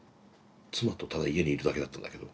妻とただ家にいるだけだったんだけど。